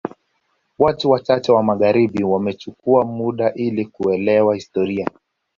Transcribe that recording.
Watu wachache wa magharibi wamechukua muda ili kuelewa historia